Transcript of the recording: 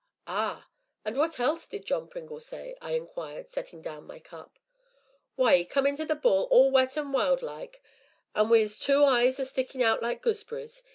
"Ah! and what else did John Pringle say?" I inquired, setting down my cup. "Why, 'e come into 'The Bull' all wet an' wild like, an' wi' 'is two eyes a stickin' out like gooseberries!